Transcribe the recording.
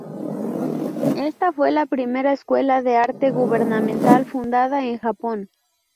Esta fue la primera escuela de arte gubernamental fundada en Japón.